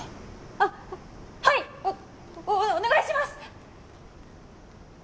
あっはいっおお願いします！